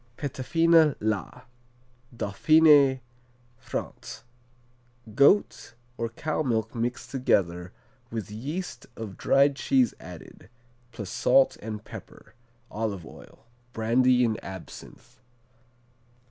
Petafina, La Dauphiné, France Goat or cow milk mixed together, with yeast of dried cheese added, plus salt and pepper, olive oil, brandy and absinthe.